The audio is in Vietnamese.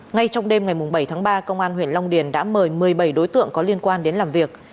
ngay trong đêm ngày bảy tháng ba công an huyện long điền đã mời một mươi bảy đối tượng có liên quan đến làm việc